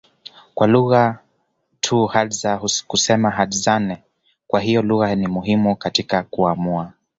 kwa lugha tu Hadza kusema Hadzane kwa hiyo lugha ni muhimu katika kuamua